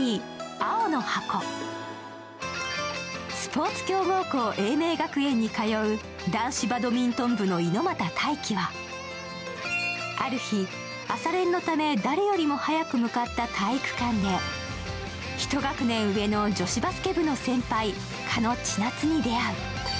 スポ−ツ強豪校、栄明学園に通う男子バドミントン部の猪股大喜はある日、朝練のため誰よりも早く向かった体育館でひと学年上の女子バスケ部の先輩・鹿野千夏に出会う。